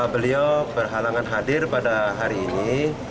beliau berhalangan hadir pada hari ini